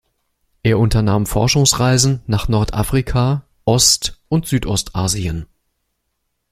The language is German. Er unternahm Forschungsreisen nach Nordafrika, Ost- und Südostasien.